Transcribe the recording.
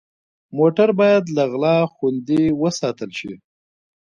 موټر باید له غلا خوندي وساتل شي.